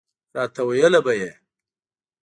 راته ویله به یې.